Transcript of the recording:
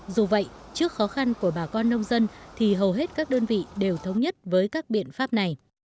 dù vậy trước khó khăn của bà con nông dân thì hầu hết các đơn vị đều thống nhất với các biện pháp này